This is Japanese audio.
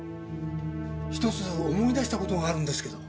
ひとつ思い出した事があるんですけど。